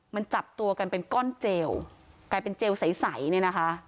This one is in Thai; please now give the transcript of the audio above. มันจับตัวกันเป็นก้อนเจลกลายเป็นเจลใสเนี่ยนะคะ